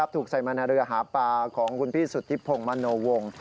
ถูกใส่มาในเรือหาปลาของคุณพี่สุธิพงศ์มโนวง